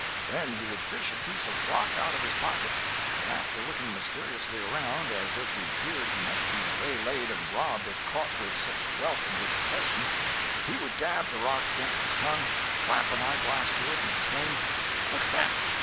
Then he would fish a piece of rock out of his pocket, and after looking mysteriously around as if he feared he might be waylaid and robbed if caught with such wealth in his possession, he would dab the rock against his tongue, clap an eyeglass to it, and exclaim: "Look at that!